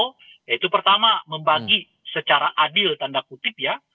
yaitu pertama membagi secara adil tanda kutip ya